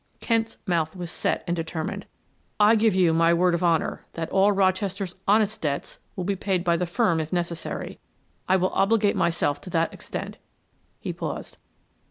Kent's mouth was set and determined. "I give you my word of honor that all Rochester's honest debts will be paid by the firm if necessary; I will obligate myself to that extent," he paused.